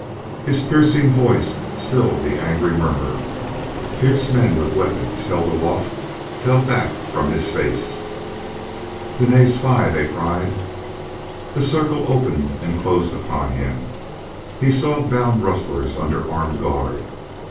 His piercing voice stilled the angry murmur. Fierce men with weapons held aloft fell back from his face. "Dene's spy!" they cried. The circle opened and closed upon him. He saw bound rustlers under armed guard.